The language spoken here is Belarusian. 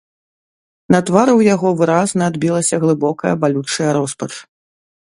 На твары ў яго выразна адбілася глыбокая балючая роспач.